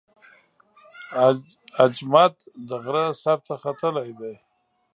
اجمد د غره سر ته ختلی دی.